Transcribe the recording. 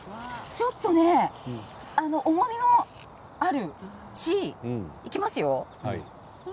ちょっとね重みもあるし、いきますよ。